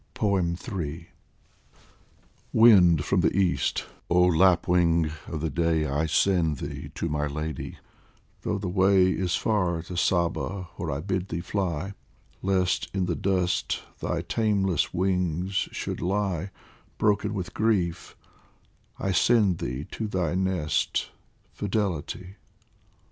in WIND from the east, oh Lapwing of the day, I send thee to my Lady, though the way Is far to Saba, where I bid thee fly ; Lest in the dust thy tameless wings should lie, Broken with grief, I send thee to thy nest, Fidelity.